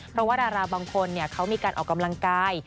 เพราะว่าดาราบางคนเขามีการออกกำลังกาย